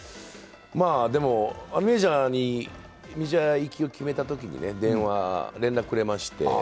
でも、メジャー行きを決めたときに電話、連絡くれまして。